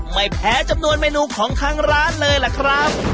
ไม่แพ้จำนวนเมนูของทางร้านเลยล่ะครับ